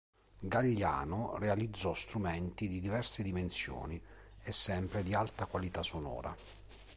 Gagliano realizzò strumenti di diverse dimensioni e sempre di alta qualità sonora.